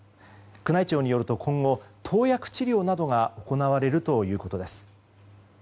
宮内庁によると今後、投薬治療などが行われるということです。